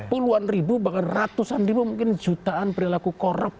puluhan ribu bahkan ratusan ribu mungkin jutaan perilaku korup